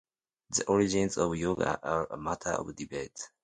The origins of yoga are a matter of debate.